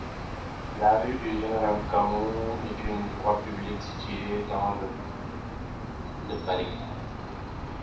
La rue du Général-Camou est une voie publique située dans le de Paris.